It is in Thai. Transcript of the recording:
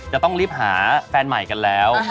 จะต้องรีบหาแฟนใหม่กันแล้ว